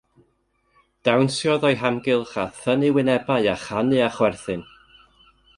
Dawnsiodd o'i hamgylch a thynnu wynebau a chanu a chwerthin.